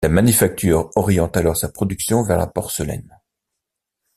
La manufacture oriente alors sa production vers la porcelaine.